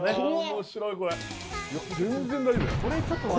いや全然大丈夫だよ